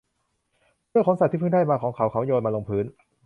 เสื้อขนสัตว์ที่เพิ่งได้มาของเขา เขาโยนมันลงพื้น